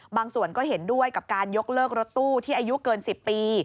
ส่วนก็เห็นด้วยกับการยกเลิกรถตู้ที่อายุเกิน๑๐ปี